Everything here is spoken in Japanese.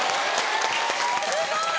・すごい！